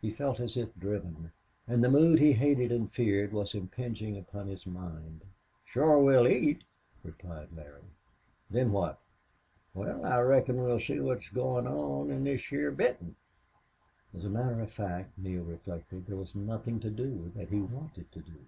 He felt as if driven. And the mood he hated and feared was impinging upon his mind. "Shore we'll eat," replied Larry. "Then what?" "Wal, I reckon we'll see what's goin' on in this heah Benton." As a matter of fact, Neale reflected, there was nothing to do that he wanted to do.